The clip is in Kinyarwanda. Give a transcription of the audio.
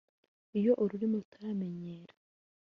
Iyo ururimi rutaramenyera